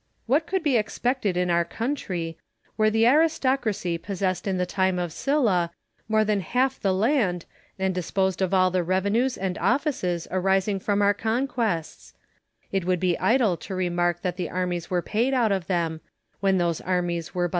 What could be expected in our country, where the aris tocracy possessed in the time of Sylla more than half the land, and disposed of all the revenues and offices arising from our conquests 1 It would be idle to remark that the armies were paid out of them, when those armies were but MARCUS TULLIVS AND QUINCTUS CICERO.